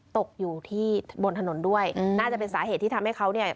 ตกอยู่ที่บนถนนด้วยน่าจะเป็นสาเหตุที่ทำให้เขาเนี่ย